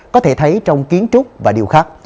có thể thấy trong kiến trúc và điều khác